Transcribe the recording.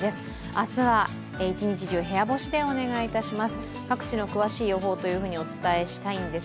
明日は一日中、部屋干しでお願いします。